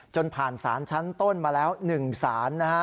จนผ่านศาลชั้นต้นมาแล้ว๑ศาลนะฮะ